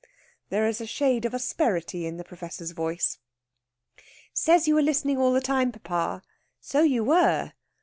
There is a shade of asperity in the Professor's voice. "Says you were listening all the time, papa. So you were!"